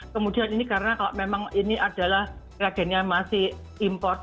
kemudian ini karena kalau memang ini adalah reagennya masih import